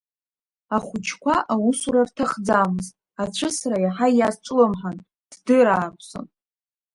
Ахәыҷқәа аусура рҭахӡамызт, ацәысра иаҳа иазҿлымҳан, ддырааԥсон.